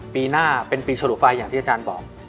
ปีหน้าเป็นปีฉลุไฟอย่างที่อาจารย์บอก